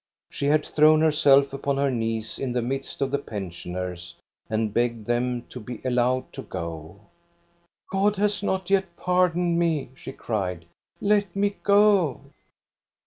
She had thrown herself upon her knees in the midst of the pensioners and begged them to be allowed to go. " God has not yet pardoned me," she cried. " Let me go